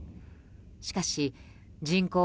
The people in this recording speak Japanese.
しかし人口